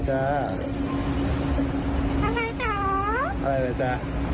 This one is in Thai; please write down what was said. อะไรล่ะจ๊ะ